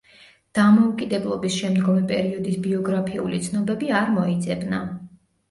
დამოუკიდებლობის შემდგომი პერიოდის ბიოგრაფიული ცნობები არ მოიძებნა.